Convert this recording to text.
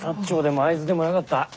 長でも会津でもなかった。